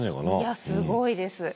いやすごいです。